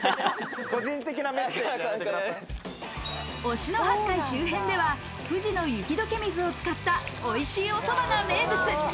忍野八海周辺では富士の雪解け水を使ったおいしいお蕎麦が名物。